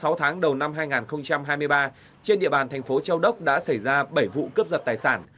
sáu tháng đầu năm hai nghìn hai mươi ba trên địa bàn thành phố châu đốc đã xảy ra bảy vụ cướp giật tài sản